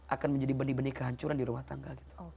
akan menjadi benih benih kehancuran di rumah tangga